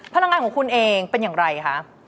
พลังงานของคุณเองเป็นอย่างไรคะ